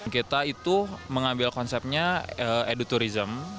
kita itu mengambil konsepnya eduturism